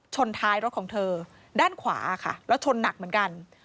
ท้ายรถของเธอด้านขวาค่ะแล้วชนหนักเหมือนกัน